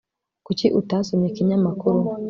kuki utasomye ikinyamakuru